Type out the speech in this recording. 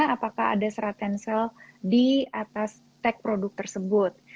apakah ada serat tensel di atas tech produk tersebut